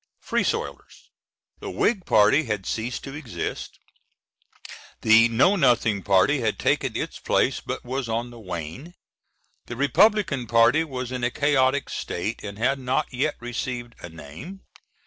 Free Soilers: "The Whig party had ceased to exist ...; the Know Nothing party had taken its place but was on the wane; the Republican party was in a chaotic state and had not yet received a name.